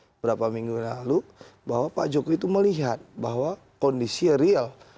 beberapa minggu lalu bahwa pak jokowi itu melihat bahwa kondisi real